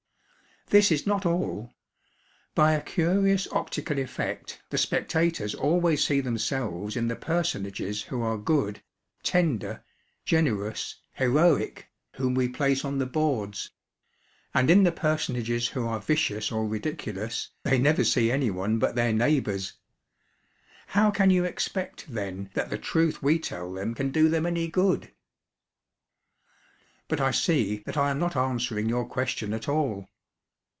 This is not all; by a curious optical effect, the spectators always see themselves in the personages who are good, tender, generous, heroic whom we place on the boards; and in the personages who are vicious or ridiculous they never see anyone but their neighbors. How can you expect then that the truth we tell them can do them any good? But I see that I am not answering your question at all.